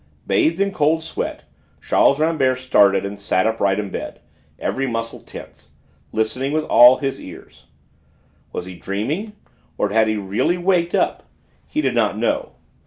Bathed in cold sweat Charles Rambert started and sat upright in bed, every muscle tense, listening with all his ears. Was he dreaming, or had he really waked up? He did not know.